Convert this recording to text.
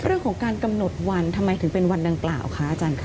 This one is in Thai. เรื่องของการกำหนดวันทำไมถึงเป็นวันดังกล่าวคะอาจารย์ค่ะ